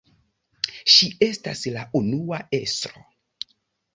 Ŝi estas la unua estro.